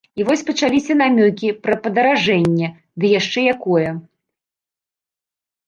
І вось пачаліся намёкі пра падаражэнне, ды яшчэ якое.